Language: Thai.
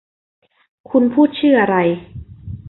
คุณพูดชื่ออะไร